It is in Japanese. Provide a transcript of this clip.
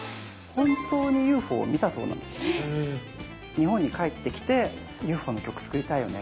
日本に帰ってきてＵＦＯの曲作りたいよね。